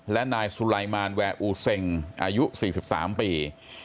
และนายสุไลมารแวร์อูเซ็งอายุ๔๓ปี